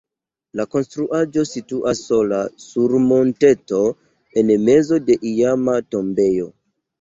La konstruaĵo situas sola sur monteto en mezo de iama tombejo.